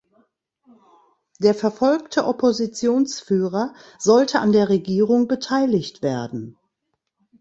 Der verfolgte Oppositionsführer sollte an der Regierung beteiligt werden.